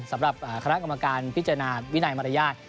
สำหรับคณะกรรมการพิจารณาวินัยมารยาท